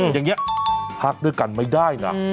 อย่างนี้พักด้วยกันไม่ได้นะ